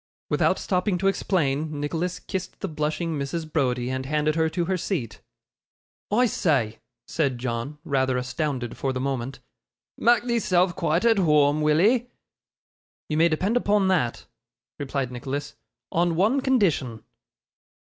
Without stopping to explain, Nicholas kissed the blushing Mrs. Browdie, and handed her to her seat. 'I say,' said John, rather astounded for the moment, 'mak' theeself quite at whoam, will 'ee?' 'You may depend upon that,' replied Nicholas; 'on one condition.